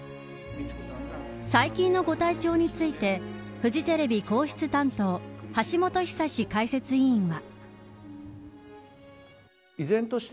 最近のご体調についてフジテレビ皇室担当橋本寿史解説委員は。